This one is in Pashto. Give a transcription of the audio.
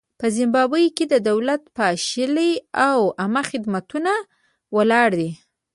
په زیمبابوې کې دولت پاشلی او عامه خدمتونه ولاړ دي.